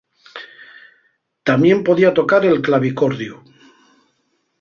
Tamién podía tocar el clavicordiu.